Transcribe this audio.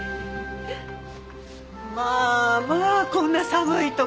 まあまあこんな寒いところで。